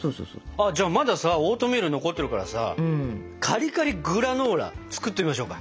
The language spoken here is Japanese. じゃあまださオートミール残ってるからさカリカリグラノーラ作ってみましょうか？